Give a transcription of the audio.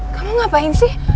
kamu ngapain sih